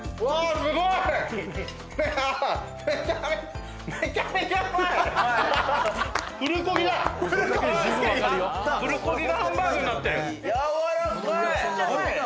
わ、すごい！